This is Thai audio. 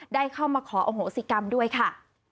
ได้เข้ามาขออโหสิกรรมด้วยค่ะ